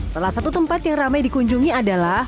salah satu tempat yang ramai dikunjungi adalah